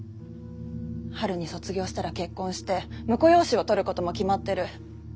春に卒業したら結婚して婿養子をとることも決まってる。